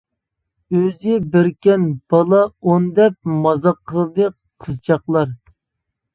ئۆزى بىركەن بالا ئون دەپ مازاق قىلدى قىزچاقلار.